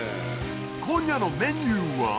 今夜のメニューは？